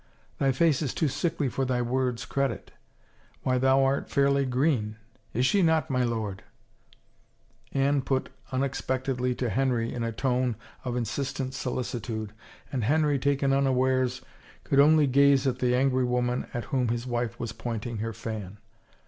Thy face is too sickly for thy word's credit. Why, thou art fairly green. Is she not, my lord ?" Anne put un expectedly to Henry in a tone of insistent solicitude, and Henry, taken unawares, could only gaze at the angry woman at whom his wife was pointing her fan.